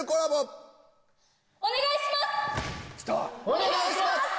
お願いします！